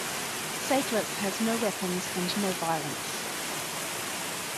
"Seiklus" has no weapons and no violence.